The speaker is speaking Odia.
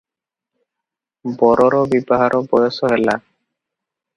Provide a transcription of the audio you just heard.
ବରର ବିବାହର ବୟସ ହେଲା ।